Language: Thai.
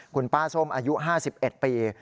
คุณป้าส้มอายุ๕๑ปี